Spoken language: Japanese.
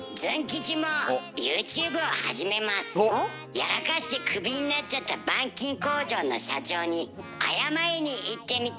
やらかしてクビになっちゃった板金工場の社長に謝りに行ってみた！